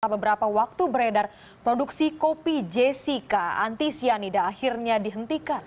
beberapa waktu beredar produksi kopi jessica antisianida akhirnya dihentikan